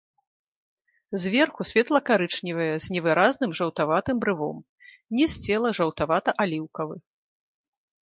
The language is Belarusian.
Зверху светла-карычневая з невыразным жаўтаватым брывом, ніз цела жаўтавата-аліўкавы.